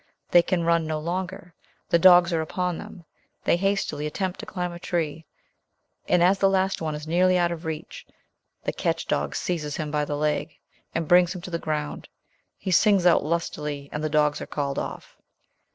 They can run no longer; the dogs are upon them; they hastily attempt to climb a tree, and as the last one is nearly out of reach, the catch dog seizes him by the leg, and brings him to the ground; he sings out lustily and the dogs are called off.